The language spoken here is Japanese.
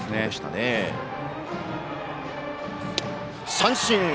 三振！